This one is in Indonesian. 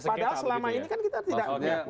padahal selama ini kan kita tidak